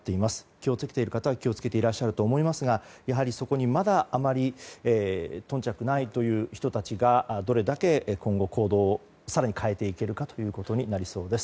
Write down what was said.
気を付けている方は気を付けていると思いますがやはり、そこにまだあまり頓着ないという人たちがどれだけ今後行動を更に変えていけるかになりそうです。